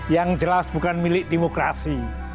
yang jelas bukan milik demokrasi